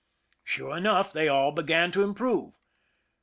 Sure enough, they all began to improve.